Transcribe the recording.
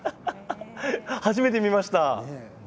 初めて見ました。